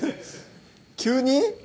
急に？